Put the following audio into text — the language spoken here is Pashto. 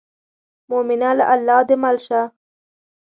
مومنه له الله دې مل شي.